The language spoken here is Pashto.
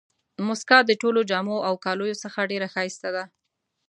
مسکا د ټولو جامو او کالیو څخه ډېره ښایسته ده.